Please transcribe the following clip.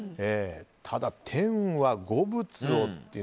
ただ、天は五物をって。